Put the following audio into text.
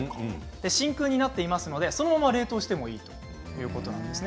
真空になっていますのでそのまま冷凍してもいいということなんですね。